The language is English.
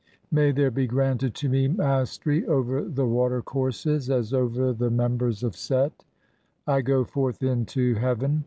May there "be granted [to me] mastery over the water courses as over the "members (5) of Set. I go forth into heaven.